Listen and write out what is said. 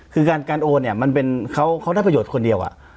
คือการโอนเนี่ยมันเป็นเขาได้ประโยชน์คนเดียว